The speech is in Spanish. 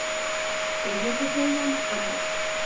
Es lo que se llama amor".